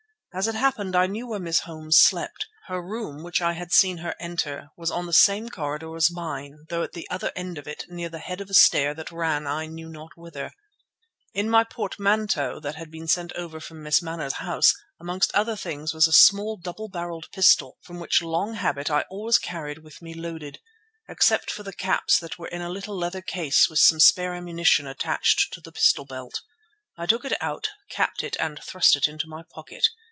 As it happened I knew where Miss Holmes slept. Her room, which I had seen her enter, was on the same corridor as mine though at the other end of it near the head of a stair that ran I knew not whither. In my portmanteau that had been sent over from Miss Manners's house, amongst other things was a small double barrelled pistol which from long habit I always carried with me loaded, except for the caps that were in a little leather case with some spare ammunition attached to the pistol belt. I took it out, capped it and thrust it into my pocket.